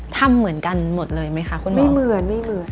ทำเหมือนกันหมดเลยไหมคะคุณไม่เหมือนไม่เหมือน